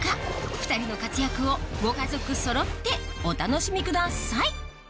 ２人の活躍をご家族そろってお楽しみください！